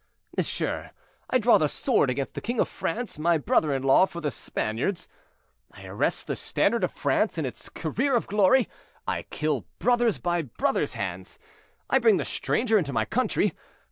monsieur. I draw the sword against the king of France, my brother in law, for the Spaniards; I arrest the standard of France in its career of glory; I kill brothers by brothers' hands; I bring the stranger into my country!